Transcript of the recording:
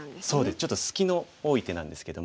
ちょっと隙の多い手なんですけども。